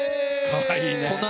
かわいいな。